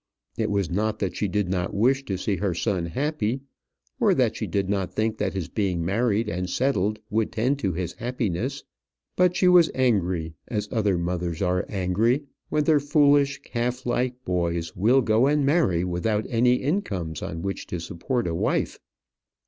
It was not that she did not wish to see her son happy, or that she did not think that his being married and settled would tend to his happiness; but she was angry, as other mothers are angry, when their foolish, calf like boys will go and marry without any incomes on which to support a wife.